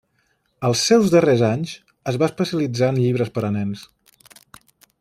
Els seus darrers anys, es va especialitzar en llibres per a nens.